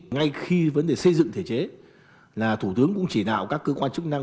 ngay khi vấn đề xây dựng thể chế là thủ tướng cũng chỉ đạo các cơ quan chức năng